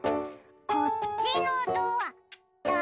こっちのドアだあれ？